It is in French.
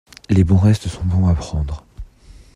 Les bons restes sont bons à prendre.